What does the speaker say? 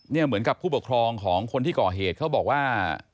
เหมือนกับผู้ปกครองของคนที่ก่อเหตุเขาบอกว่า